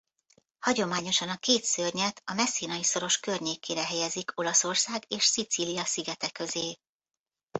Hagyományosan a két szörnyet a Messinai-szoros környékére helyezik Olaszország és Szicília szigete közé.